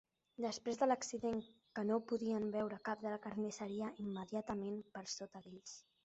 Després de l'accident, que no podien veure cap de la carnisseria immediatament per sota d'ells.